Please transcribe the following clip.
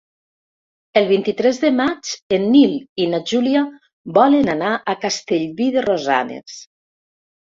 El vint-i-tres de maig en Nil i na Júlia volen anar a Castellví de Rosanes.